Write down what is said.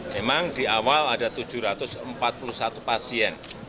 memang di awal ada tujuh ratus empat puluh satu pasien